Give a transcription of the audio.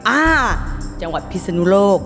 อ่าจังหวัดพิศนุโลก